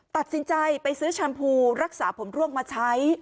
ตัดสินใจไปซื้อแชมพูรักษาผมร่วงมาใช้